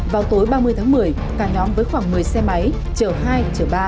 vào tối ba mươi tháng một mươi cả nhóm với khoảng một mươi xe máy chở hai chở ba